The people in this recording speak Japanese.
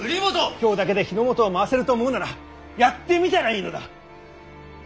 京だけで日の本を回せると思うならやってみたらいいのだ！